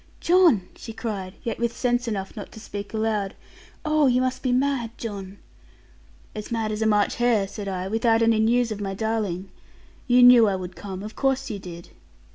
'John!' she cried, yet with sense enough not to speak aloud: 'oh, you must be mad, John.' 'As mad as a March hare,' said I, 'without any news of my darling. You knew I would come: of course you did.'